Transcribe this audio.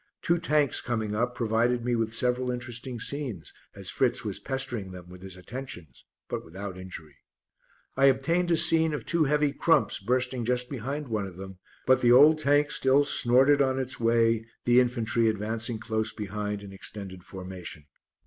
Two Tanks coming up provided me with several interesting scenes as Fritz was pestering them with his attentions but without injury. I obtained a scene of two heavy "crumps" bursting just behind one of them, but the old Tank still snorted on its way, the infantry advancing close behind in extended formation.